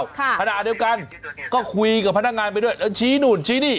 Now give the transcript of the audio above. ค่ะพนาทดัวกันก็คุยกับพนักงานไปด้วยเอ้าชี้หนูนชี้นี่